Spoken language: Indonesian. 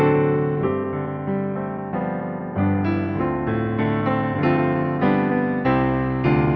iman bidi tuhan dhutti